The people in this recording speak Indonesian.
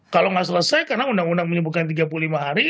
kalau nggak selesai karena undang undang menyebutkan tiga puluh lima hari